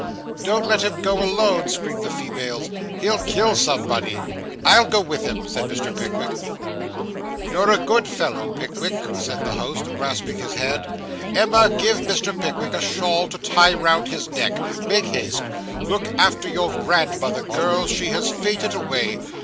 'Don't let him go alone!' screamed the females. 'He'll kill somebody!' 'I'll go with him,' said Mr. Pickwick. 'You're a good fellow, Pickwick,' said the host, grasping his hand. 'Emma, give Mr. Pickwick a shawl to tie round his neck make haste. Look after your grandmother, girls; she has fainted away.